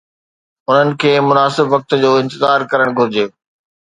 انهن کي مناسب وقت جو انتظار ڪرڻ گهرجي.